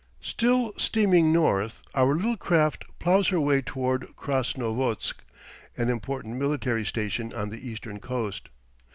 Still steaming north, our little craft ploughs her way toward Krasnovodsk, an important military station on the eastern coast.